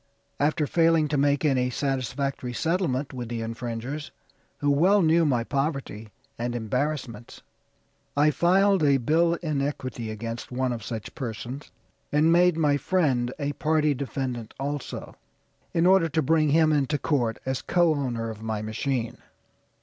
After failing to make any satisfactory settlement with the infringers, who well knew my poverty and embarrassments, I filed a bill in equity against one of such persons, and made my friend a party defendant also, in order to bring him into court as co owner of my machine.